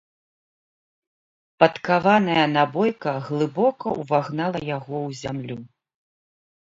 Падкаваная набойка глыбока ўвагнала яго ў зямлю.